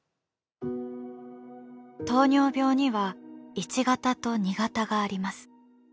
糖尿病には１型と２型があります。